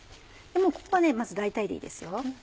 もうここはまず大体でいいですよ。